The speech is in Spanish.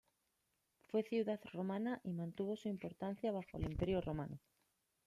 Fue ciudad romana y mantuvo su importancia bajo el Imperio romano.